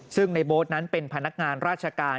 ซึ่งในโบ๊ทนั้นเป็นพนักงานราชการ